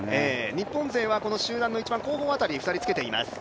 日本勢は集団の一番後方辺り、２人つけています。